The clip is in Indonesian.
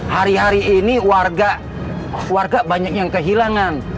hari hari ini warga banyak yang kehilangan